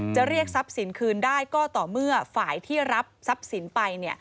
จะเรียกทรัพย์สินคืนได้ก็ต่อเมื่อฝ่ายที่รับทรัพย์สินไป